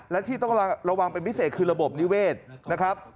และที่ต้องระวังเป็นพิเศษคือระบบนิเวศนะครับ